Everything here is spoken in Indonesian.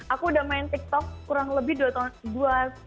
aku udah main tiktok kurang lebih dua tahun berdua